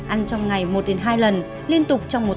ăn trong ngày một hai lần liên tục trong một tuần